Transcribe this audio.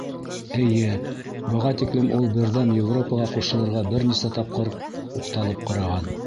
Эйе, быға тиклем ул Берҙәм Европаға ҡушылырға бер нисә тапҡыр уҡталып ҡараған.